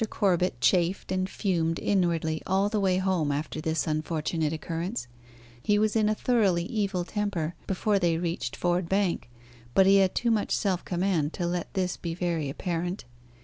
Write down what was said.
Corbet chafed and fumed inwardly all the way home after this unfortunate occurrence; he was in a thoroughly evil temper before they reached Ford Bank, but he had too much self command to let this be very apparent.